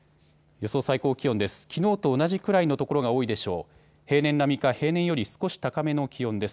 予想最高気温です。